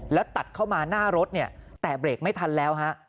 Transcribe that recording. แล้วตัดเข้ามาหน้ารถเนี่ยแต่เบรกไม่ทันแล้วฮะ